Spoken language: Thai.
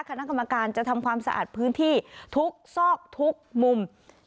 คณะกรรมการจะทำความสะอาดพื้นที่ทุกซอกทุกมุม